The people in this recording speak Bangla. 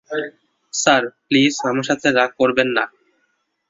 স্যার, প্লিজ আমার সাথে রাগ করবেন না।